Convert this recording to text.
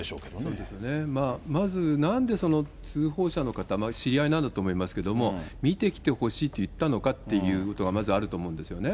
そうですね、まず、なんでその通報者の方、知り合いなんだと思いますけれども、見てきてほしいって言ったのかっていうことがまずあると思うんですよね。